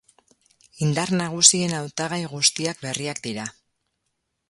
Indar nagusien hautagai guztiak berriak dira.